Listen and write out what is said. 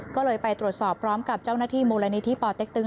ก็เลยไปตรวจสอบพร้อมกับเจ้าหน้าที่มูลนิธิปอเต็กตึง